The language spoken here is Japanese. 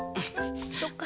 そっか。